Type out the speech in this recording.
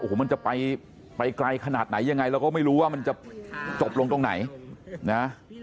โอ้โหมันจะไปไกลขนาดไหนยังไงเราก็ไม่รู้ว่ามันจะจบลงตรงไหนนะ